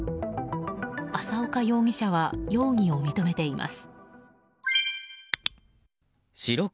浅岡容疑者は容疑を認めています。